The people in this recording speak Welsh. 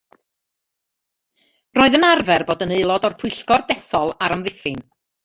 Roedd yn arfer bod yn aelod o'r Pwyllgor Dethol ar Amddiffyn.